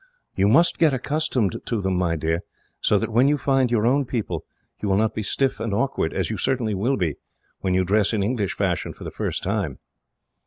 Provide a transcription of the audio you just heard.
"You must get accustomed to them, my dear, so that when you find your own people, you will not be stiff and awkward; as you certainly will be, when you dress in English fashion for the first time."